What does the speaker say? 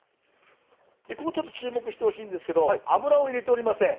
でここちょっと注目してほしいんですけど油を入れておりません。